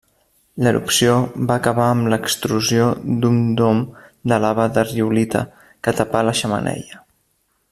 L'erupció va acabar amb l'extrusió d'un dom de lava de riolita que tapà la xemeneia.